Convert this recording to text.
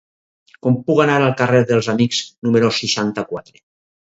Com puc anar al carrer dels Amics número seixanta-quatre?